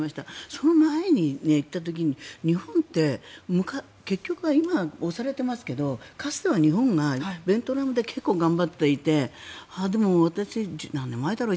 その前に行った時に日本って結局は今、押されてますけどかつては日本がベトナムで結構頑張っていてでも私、何年前だろう？